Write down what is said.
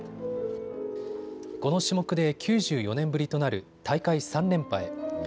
この種目で９４年ぶりとなる大会３連覇へ。